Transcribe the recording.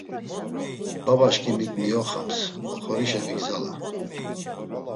Babaşǩimik miyoxams, oxorişe vigzala.